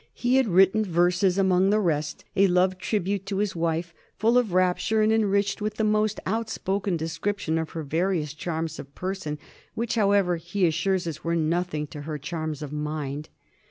He had written verses ; among the rest, a love tribute to his wife, full of rapture and enriched with the most out spoken description of her various charms of person, which, however, he assures us, were nothing to her charms of mind.